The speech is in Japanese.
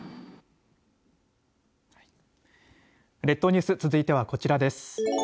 列島ニュース続いてはこちらです。